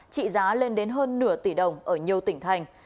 trị giá lên đến hơn nửa tỷ đồng ở nhiều tỉnh thành